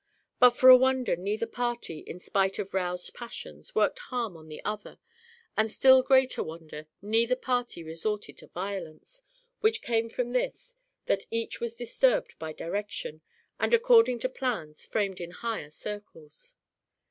But for a wonder neither party, in spite of roused passions, worked harm on the other, and still greater wonder neither party resorted to violence, which came from this, that each was disturbed by direction, and according to plans framed in higher circles.